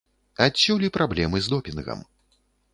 Адсюль і праблемы з допінгам.